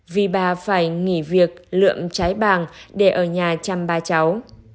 vì bà phải nghỉ việc lượm trái bàng để ở nhà chăm ba cháu